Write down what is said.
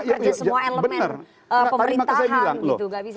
itu kerja semua elemen pemerintahan